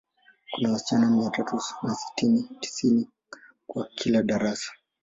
Kuna wasichana mia tatu na sitini, tisini kwa kila darasa.